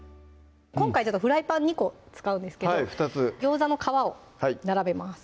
今回フライパン２個使うんですけどギョウザの皮を並べます